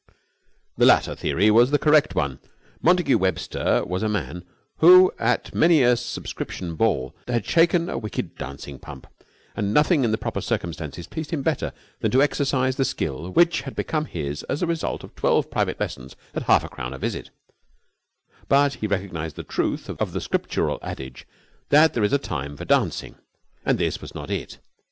The latter theory was the correct one. Montagu Webster was a man who at many a subscription ball had shaken a wicked dancing pump, and nothing in the proper circumstances pleased him better than to exercise the skill which had become his as the result of twelve private lessons at half a crown a visit: but he recognized the truth of the scriptural adage that there is a time for dancing, and that this was not it.